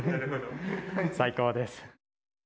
最高です。